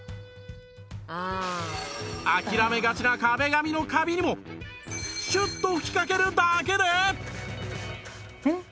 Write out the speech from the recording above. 諦めがちな壁紙のカビにもシュッと吹きかけるだけで